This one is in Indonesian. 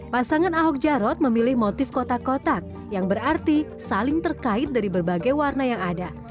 pasangan ahok jarot memilih motif kotak kotak yang berarti saling terkait dari berbagai warna yang ada